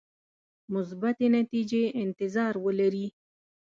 مثبتې نتیجې انتظار ولري.